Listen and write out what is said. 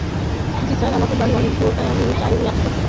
জ্বী স্যার, আমাদের বাড়ি অনেক দূরে, তাই আমি চাইনি আপনি কষ্ট করেন?